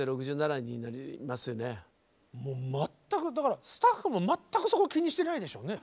もうもう全くだからスタッフも全くそこ気にしてないでしょうね。